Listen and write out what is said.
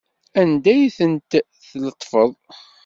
Anda ay tent-tletfeḍ?